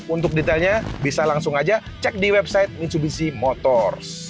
untuk detailnya bisa langsung aja cek di website mitsubishi motors